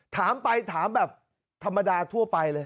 ถามไปถามแบบธรรมดาทั่วไปเลย